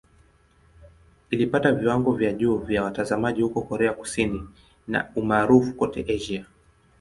Ilipata viwango vya juu vya watazamaji huko Korea Kusini na umaarufu kote Asia.